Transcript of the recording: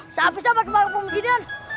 siapa bisa pakai parfum beginian